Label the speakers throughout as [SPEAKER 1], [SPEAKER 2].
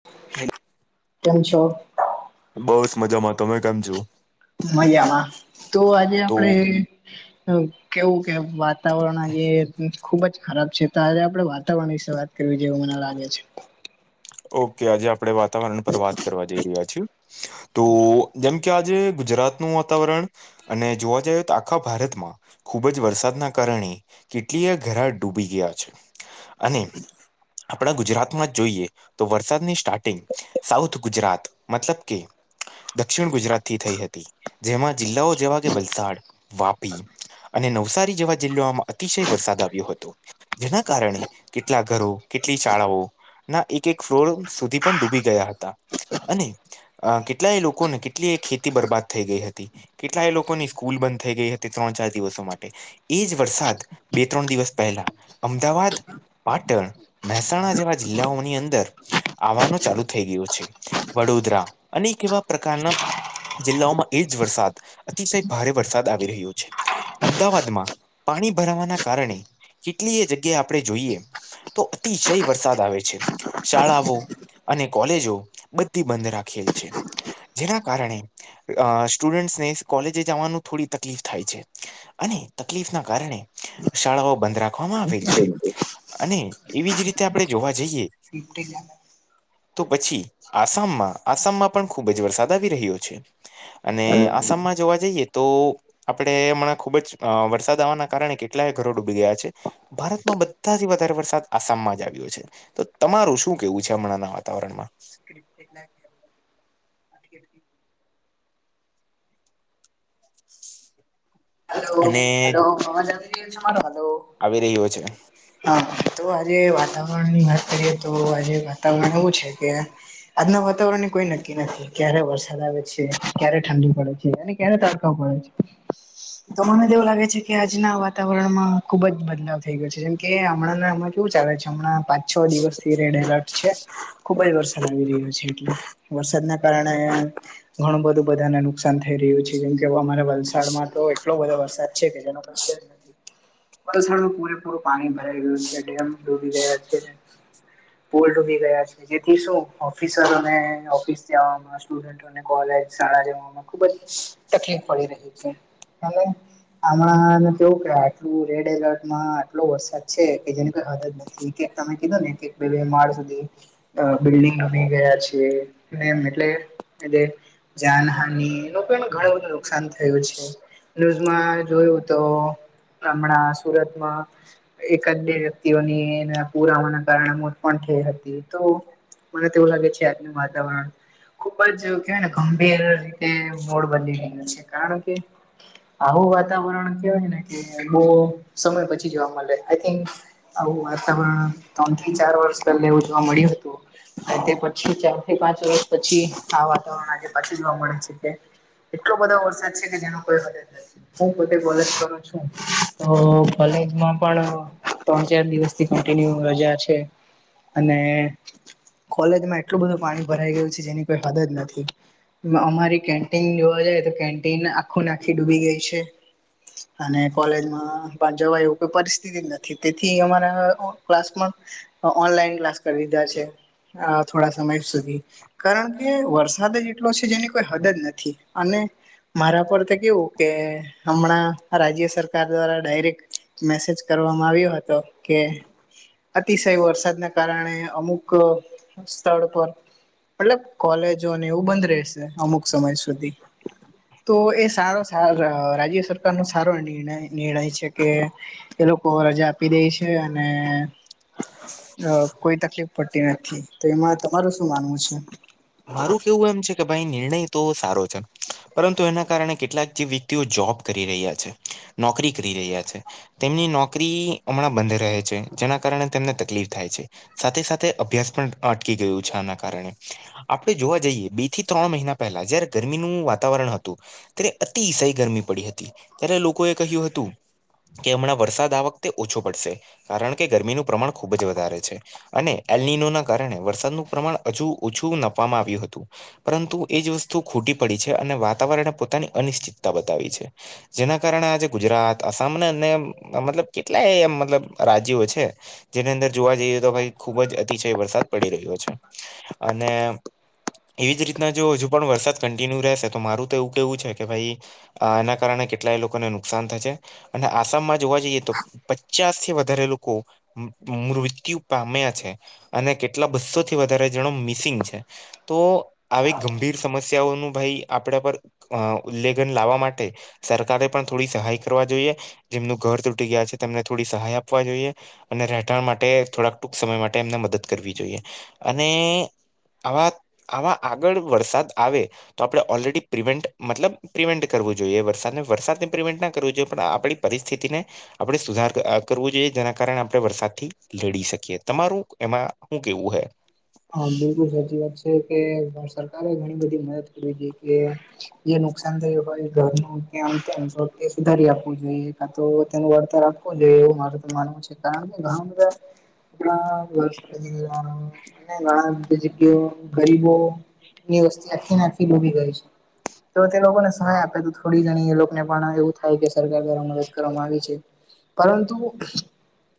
[SPEAKER 1] [unintelligible]
[SPEAKER 2] કેમ છો?
[SPEAKER 1] બસ, મજામાં. તમે કેમ છો?
[SPEAKER 2] મજામાં. તો, આજે
[SPEAKER 1] તો
[SPEAKER 2] આપણે કેવું કે વાત- વાતાવરણ આજે ખુબ જ ખરાબ છે, તો આજે આપડે વાતાવરણ વિશે વાત કરવી જોવે, એવું મને લાગે છે.
[SPEAKER 1] ઓકે, આજે આપણે વાતાવરણ પર વાત કરવા જઈ રહ્યા છીએ, તો જેમ- કે, આજે ગુજરાતનું વાતાવરણ, અને જોવા જઈએ તો આખા ભારતમાં- -ખૂબ જ વરસાદના કારણે, કેટલીય ઘરા ડૂબી ગયા છે. અને, આપણા ગુજરાતમાં જ જોઈએ! તો, વરસાદની સ્ટાર્ટિંગ, સાઉથ ગુજરાત મતલબ કે- -દક્ષિણ ગુજરાતથી થઈ હતી. જેમાં જિલ્લાઓ જેવા કે વલસાડ- વાપી અને નવસારી જેવા જિલ્લાઓમાં, અતિશય વરસાદ આવ્યો હતો. જેના કારણે, કેટલા ઘરો, કેટલી શાળાઓ ના એક- -એક ફ્લોર સુધી પણ ડૂબી ગયા હતા. અને- અ કેટલાય લોકોને, કેટલી એ ખેતી, બરબાદ થઈ ગઈ હતી. કેટલાએ લોકો ની સ્કૂલ બંધ થઈ ગઈ હતી ત્રણ ચાર દિવસો માટે. એજ વરસાદ બે ત્રણ દિવસ પહેલા, અમદાવાદ- -પાટણ, મહેસાણા જેવા જિલ્લાઓની અંદ- -ર આવાવાનું ચાલુ થઈ ગયુ છે. વડોદરા અનેક એવા પ્રકારના- જિલ્લાઓમાં એજ વરસાદ, અતિશય ભારે વરસાદ આવી રહ્યો છે. અમદાવાદમાં- -પાણી ભરાવાના કારણે, કેટલી એ જગ્યા આપણે જોઈએ- -તો અતિશય વરસાદ આવે છે. શાળાઓ અને કોલેજો બધી બંધ રાખેલ છે. જેના કારણે, સ્ટુડન્ટસને કોલેજે જવાની થોડી તકલીફ થાય છે. અને, તકલીફ ના કારણે, શાળાઓ બંધ રાખ- ખવામાં આવેલ છે, અને એવી જ રીતે આપણે જોવા જઈએ-
[SPEAKER 2] બિલકુલ
[SPEAKER 1] તો પછી, આસામમાં, આસામમાં પણ ખૂબ જ વરસાદ આવી રહ્યો છે. અને, આસામમાં જોવા જઈએ તો- આપણે હમણા, ખુબ જ વરસાદ આવવાના કારણે, કેટલાય ઘરો ડૂબી ગયા છે. ભારતમાં બધાથી વધારે વરસાદ આસામમાં જ આવ્યો છે તો તમારું શું કેવું છે હમણાં ના વાતાવરણમાં. ઠી [unintelligible]
[SPEAKER 2] હલો
[SPEAKER 1] અને
[SPEAKER 2] હલો અવાજ આવી રહ્યો છે મારો હાલો.
[SPEAKER 1] આવી રહ્યો છે.
[SPEAKER 2] હા તો આજે વાતાવરણની વાત કરીએ તો આજે વાતાવરણ એવું છે કે આજના વાતાવરણની કોઈ નક્કી નથી ક્યારે વરસાદ આવે છે ક્યારે ઠંડી પડે છે. કને તડખાવ પડે છે. તો મને તો એવું લાગે છે કે આજના વાતાવરણમાં ખુબ જ બદલાવ થઈ ગયો છે જેમ. કે હમણાં એમાં કેવું ચાલે છે હમણાં પાંચ છ દિવસથી રેડ એલર્ટ છે. ખુબ જ વરસાદ આવી રહ્યો છે એટલે વરસાદના કારણે ઘણું બધું બધાને નુકસાન થઈ રહ્યું છે જેમ કે અમારા વલસાડમાં તો એક વરસાદ છે [unintelligible] વસાણમાં પૂરેપૂરું પાણી ભરાઈ ગયું છે. મ [unintelligible] ડૂબી ગયા છે પુલ ડૂબી ગયા છે. જેથી શું ઓફિસરોને ઓફિસ જવામાં સ્ટુડન્ટોને કોલેજ શાળા જવામાં ખુબ જ તકલીફ પડી રહી છે અને આમાં કેવું કે આટલું રેડ એલર્ટમાં આટલો વરસાદ છે કે જેની કોઈ હદત નથી. કે તમે કીધો ને કે બે બે માળ સુધી અ બિલ્ડિંગ રમી ગયા છે એ એટલે એ જાનહની લોકોનું ઘણું બધું નુકસાન થયું છે. ન્યૂઝમાં જોયું તો હમણાં સુરતમાં એકાદ બે વ્યક્તિઓની ને પુરા આવાના કારણે મોત પણ થઈ હતી તો મને તોવું લાગે છે આજનું વાતાવરણ ખુબ જ કેવાય [unintelligible] ગંભીર રીતે મૂળ બદલી રહ્યો છે કારણ કે આવું વાતાવરણ કેવાય ને કે બો સમય પછી જોવા મળે આઈ થિક આવું વાતાવરણ ત્રણ થી ચાર વર્ષ પહેલા એવું જોવા મળ્યું હતું. તે પછી ચાર થી પાંચ વર્ષ પછી આ વાતાવરણ આજે પાછું જોવા મળે છે તે એટલો બધો વરસાદ છે કે જેનો કોઈ હદ નથી. હું પોતે કોલેજ કરું છું તો કોલેજમાં પણ ત્રણ ચાર દિવસ થી કન્ટિન્યુ રજા છે. અને કોલેજમાં એટલું બધું પાણી ભરાઈ ગયું જેની કોઈ હદ જ નથી અમારી કેન્ટિન જોવા જાય તો કેન્ટિન આખું નાખી ડૂબી ગઈ છે. અને કોલેજમાં જવા એવું કોઈ પરિસ્થિતિ નથી તેથી અમારા ક્લાસ પણ ઓનલાઈન ક્લાસ કરી દીધા છે થોડા સમય સુધી. કારણ કે વરસાદ જ એટલો છે જેની કોઈ હદ જ નથી અને મારા પર કેવું કે હમણાં રાજ્ય સરકાર દ્વારા ડાયરેક્ટ મેસેજ કરવામાં આવ્યો હતો કે અતિશય વરસાદના કારણે અમુક સ્થળ પર મતલબ કોલેજોને એવું બંધ રહેશે અમુક સમય સુધી તો એ સારો રાજ્ય સરકાર નો સારો નિર્ણ નિર્ણય છે કે એ લોકો રજા આપી દે છે અને અ કોઈ તકલીફ પડતી નથી તો એમાં તમારું શું માનવું છે?
[SPEAKER 1] મારું કેવું એમ છે કે ભાઈ નિર્ણય તો સારો છે. પરંતુ એના કારણે કેટલાક જે વ્યક્તિઓ જોબ કરી રહ્યા છે નોકરી કરી રહ્યા છે. તેમની નોકરી હમણાં બંધ રહે છે જેના કારણે તેમને તકલીફ થાય છે. સાથે સાથે અભ્યાસ પણ અટકી ગયુ છે આના કારણે આપણે જોવા જઈએ બે થી ત્રણ મહિના પહેલા જયારે ગરમીનું વાતાવરણ હતું ત્યારે અતિસઈ ગરમી પડી હતી ત્યારે લોકોએ કહ્યું હતું કે અમણાં વરસાદ આ વખતે ઓછો પડશે કારણ કે ગરમીનું પ્રમાણ ખુબ જ વધારે છે. અને એલનીનો ના કારણે વરસાદનું પ્રમાણ અજુ ઓછું [unintelligible] આવ્યું હતું. પરંતુ એ જ વસ્તુ ખૂટી પડી છે અને વાતાવરણે પોતાની અનિશ્ચિતતા બતાવી છે. જેના કારણે આજે ગુજરાત આસામ ને અને મતલબ કેટલાય મતલબ રાજ્યો છે જેની અંદર જોવા જઈએ તો ભાઈ ખુબ જ અતિશય વરસાદ પડી રહ્યો છે અને એવી જ રીતના જો હજુ પણ વરસાદ કન્ટિન્યુ રહેશે તો મારું તો એવું કેવું છે કે ભાઈ આના કારણે કેટલાય લોકોને નુકસાન થશે. અને આસામમાં જોવા જઈએ તો પચાસ થી વધારે લોકો મ મૃત્યુ પામ્યા છે અને કેટલા બસોથી વધારે જાણો મિસિંગ છે. તો આવી ગંભીર સમસ્યાઓનું ભાઈ આપડા પર અ ઉલ્લેઘન લાવવા માટે સરકારે પણ થોડી સહાય કરવા જોઈએ- જેમનું ઘર તૂટી ગયા છે તેમને થોડી સહાય આપવા જોઈએ અને રહેઠાણ માટે થોડાક ટૂંક સમય માટે એમને મદદ કરવી જોઈએ અને આવા આવા આગળ વરસાદ આવે તો આપણે ઓલરેડી પ્રિવેન્ટ મતલબ પ્રિવેન્ટ કરવું જોઈએ વરસાદ વરસાદને પ્રિવેન્ટ ના કરવું જોઈએ પણ આપડે પરિસ્થિતિને આપણે સુધાર ક કરવું જોઈએ જેના કારણે આપણે વરસાદથી લડી શકીએ. તમારું એમાં હુ કેવું હૈ?
[SPEAKER 2] હા, બિલકુલ સાચી વાત છે કે આ સરકારે ઘણી બધી મદદ કરવી [inaudible] કે જે નુકસાન થયું હોય ઘરનું કે આમ તેમ તો એ સુધારી આપવું જોઈએ. કા તેનું વળતર આપવું જોઈએ એવું મારું તો માનવું છે [inaudible] [inaudible] ગરીબો એ વસ્તી આખીને આખી ડૂબી ગઈ છે. તો તે લોકોને સહાય આપે તો થોડી ઘણી એ લોકોને પણ એવું થાય કે સરકાર દ્વારા મદદ કરવામાં આવી છે.
[SPEAKER 1] [inaudible]
[SPEAKER 2] પરંતુ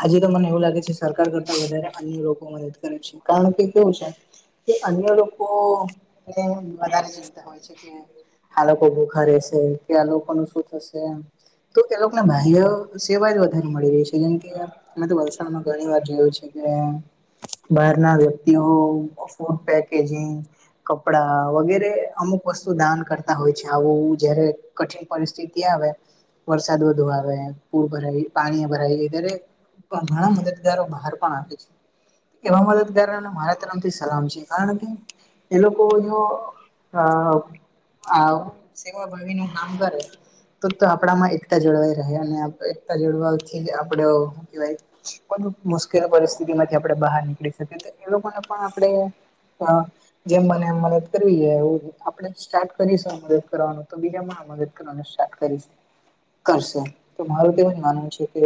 [SPEAKER 2] આજે તો મને એવું લાગે છે સરકાર કરતા વધારે અન્ય લોકો મદદ કરે છે. કારણ કે કેવું છે કે અન્ય લોકો [inaudible] વધારે ચિંતા હોય છે. કે આ લોકો ભૂખા રહેશે કે આ લોકોનું શું થશે? એમ. તો તે લોકોને બાહ્ય સેવા જ વધારે મળી રહી છે જેમ કે, મે તો વલસાડમાં ઘણી વાર જોયું છે કે બહારના લો વ્યક્તિઓ [inaudible] પેકેજિંગ, કપડા વગેરે અમુક વસ્તુ દાન કરતા હોય છે આવું જયારે કઠિન પરિસ્થિતિ આવે, વરસાદ વધુ આવે, પૂર ભરાય, પાણી ભરાય દરેક પણ ઘણા મદદગારો બહાર પણ આવે છે. એવા મદદગારોને મારા તરફથી સલામ છે કારણ કે, એ લોકોનો અ આ સેવાભાવી નું કામ કરે તો તો આપણામાં એકતા જળવાઈ રહે અને [unintelligible] એકતા જળવાવથી આપડ [unintelligible] મુશ્કેલ પરિસ્થિતિ માંથી આપણે બહાર નીકળી શકીએ તો એ લોકોને પણ આપડે [unintelligible] જેમ બને એમ મદદ કરવી [unintelligible] આપણેે સ્ટાર્ટ કરીશું મદદ કરવાનું તો બીજા પણ મદદ કર [inaudible] કરશું. તો મારું તો એવુંજ જ માનવું છે કે,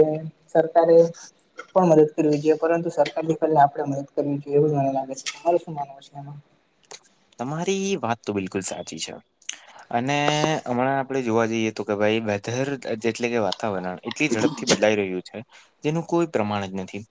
[SPEAKER 2] [unintelligible] પણ મદદ કરવી જોઈએ પરંતુ સરકારને પેલા આપડે મદદ કરવી જોઈએ એવું મને લાગે છે [inaudible] શું માનવું છે એમાં?
[SPEAKER 1] તમારી વાત તો બિલકુલ સાચી છે. અને અમણાં આપણેે જોવા જઈએ તો કે ભઈ વેધર જેટલે કે વાત તાવરણ એટલી ઝડપથી બદલાઈ રહ્યું છે. જેનું કોઈ પ્રમાણ જ નથી.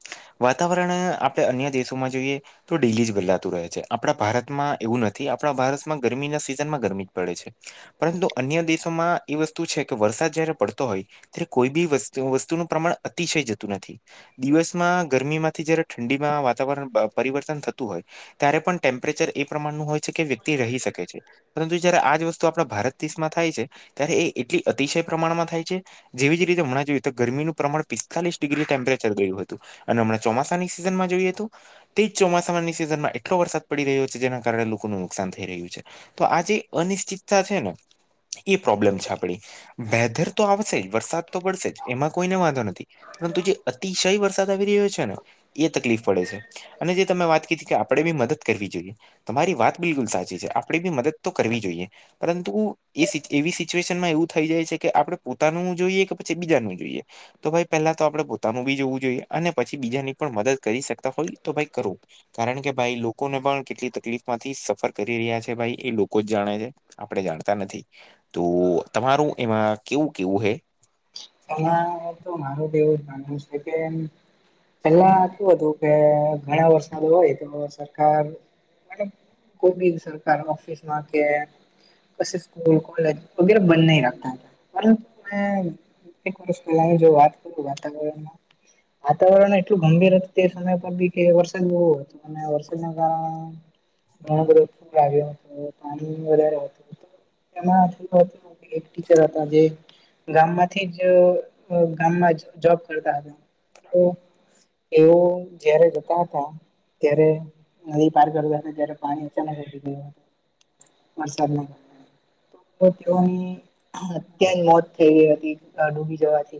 [SPEAKER 1] વાતાવરણ આપણે અન્ય દેશોમાં જોઈએ. તો ડેલી જ બદલાતું રહે છે. આપણા ભારતમાં, એવું નથી આપણા ભારસ ગરમીના સિઝનમાં ગરમી જ પડે છે. પરંતુ અન્ય દેશોમાં ઈ વસ્તુ છે કે વરસાદ જયારે પડતો હોય. અત્યારે કોઈ બી વસ્તુ વસ્તુનું પ્રમાણ અતિશય જતું નથી. દિવસમાં ગરમીમાંથી જયારે ઠંડીમાં વાતાવરણ પ પરિવર્તન થતું હોય. ત્યારે પણ ટેમ્પરેચર એ પ્રમાણનું હોય છે કે વ્યક્તિ રહી શકે છે. પરતું જ્યારે આજ વસ્તુ આપણા ભારત દેશમાં થાય છે ત્યારે એ એટલી અતિશય પ્રમાણમાં થાય છે. જેવી જ રીતે મણા જોઈએ તો ગરમીનું પ્રમાણ પિસ્તાલીસ ડિગ્રી ટેમ્પરેચર ગયું હતું. અને હમણાં ચોમાસાની સિઝનમાં જોઈએ તો તેજ ચોમાસામાની સીઝનમાં એટલો વરસાદ પડી રહ્યો છે જેના કારણે લોકોનું થઈ રહ્યું છે. તો આ જે અનિશ્ચિતતા છે ને ઈ પ્રોબ્લેમ છે આપડી. વેધર તો આવશે વરસાદ તો પડશે જ એમાં કોઈને વાંધો નથી. પરંતુ જે અતિશય વરસાદ આવી રહ્યો છે ને એ તકલીફ પડે છે. અને જે તમે વાત કીધી કે આપડે બી મદદ કરવી જોઈએ. તમારી વાત બિલકુલ સાચી છે. આપડે બી મદદ તો કરવી જોઈએ. પરંતુ એસ એવી સિચ્યુએશનમાં એવું થઈ જાય છે કે આપણે પોતાનું જોઈએ કે પછી બીજાનું જોઈએ. તો ભાઈ પહેલા તો આપડે પણ પોતાનું બી જોવું જોઈએ અને પછી બીજાની પણ મદદ કરી શકતા હોય તો ભાઈ કરો. કારણ કે ભાઈ લોકોને પણ કેટલી તકલીફમાંથી સફર કરી રહ્યા છે ભાઈ એ લોકો જ જાણે છે આપણે જાણતા નથી. તો તમારું એમાં કેવું કેવું હૈ?
[SPEAKER 2] આ તો મારું બી એવું જ માનવું સે કે પેલા કેવુ હતું કે ઘણા વરસાદ હોય તો સરકાર મતલબ કોઈ બી એક સરકાર ઓફિસમાં છે. પસી સ્કૂલ, કોલેજ વગેરે બંધ નહી રાખતા હતા પરંતુ મે એક વર્ષ પહેલાની જો વાત કરું વાતાવરણમાં વાતાવરણ એટલું ગંભીર હતું તે સમય પર બી કે વરસાદ બો હતો. અને વરસાદના કારણે ઘણો બધો પુર આવ્યો હતો પાણી વધારે હતું એટલે એમાં [unintelligible] એક ટીચર હતા જે ગામમાં થી જ અ ગામમાં જ જોબ કરતા હતા. તો એઓ જયારે જતા હતા ત્યારે નદી પાર કરતાને જ્યારે પાણી અચાનક ઉલ્ટી ગયું હતું. વરસાદના કારણે તો તો તેઓની અત્યારે જ મોત થઈ ગઈ હતી. તા ડૂબી જવાથી.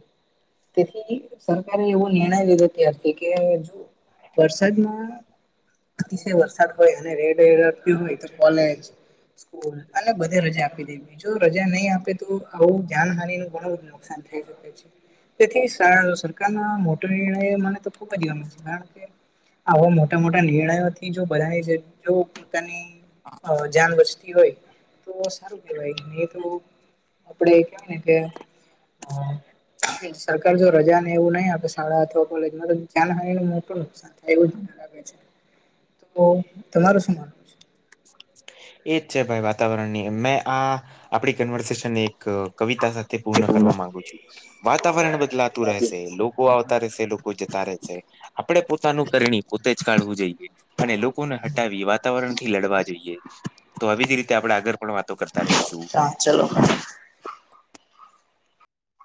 [SPEAKER 2] તેથી, સરકારે એવો નિણર્ય લીધો ત્યારથી કે જો વરસાદમાં અતિશય વરસાદ હોય અને રેડ એલર્ટ બી હોય તો કોલેજ, સ્કૂલ અને બધે રજા આપી દીધી જો રજા નહીં આપે તો આવું જાનહાનીનું ઘણું હોઈ શકે છે. તેથી શાળા સરકારનો મોટો નિર્ણય મને તો ખૂબ ગમે છે કારણ કે આવા મોટા મોટા નિર્ણય નથી જો બધાને જ જો પોતાની અ જાન બચતી હોય. તો સારું કેવાય ને એ તો આપડે કેવાય ને કે,
[SPEAKER 1] [unintelligible]
[SPEAKER 2] સરકાર જો રજાને એવું નઈ આપે શાળા અથવા કોલેજમાં તો જાનહાનિનું મોટું નુકસાન. એવું જ મને લાગે છે, તો તમારું શું માનવું છે?
[SPEAKER 1] એજ છે ભાઈ વાતાવરણની મેં આ આપણી કન્વર્સેશન એક કવિતા સાથે પૂર્ણ કરવા માંગુ છું. વાતાવરણ બદલાતું રહેશે લોકો આવતા રહેશે લોકો જતા રહેશે આપડે પોતાનું કરણી પોતે જ કાઢવું જોઈએ અને લોકોને હટાવી વાતાવરણથી લડવા જોઈએ. તો આવી જ રીતે આપણે આગળ પણ વાતો કરતા રહીશું.
[SPEAKER 2] હા ચલો.